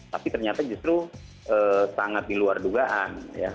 tapi ternyata justru sangat diluar dugaan